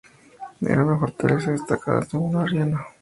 Era una fortaleza destacada, según Arriano.